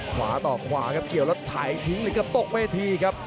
ขวาตอบขวากี่วแล้วไถบินหรือก็ตกเวทีครับ